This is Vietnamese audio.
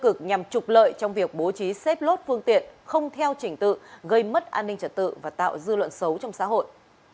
cục đăng kiểm việt nam phải trục lợi trong việc bố trí xếp lốt phương tiện không theo trình tự gây mất an ninh trật tự và tạo dư luận xấu trong xã hội